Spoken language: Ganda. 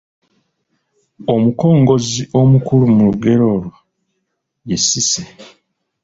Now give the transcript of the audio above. omukongozzi omukulu mu lugero olwo ye Cissy.